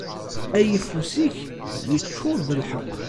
Ayeffus-ik iččur d lḥeqq.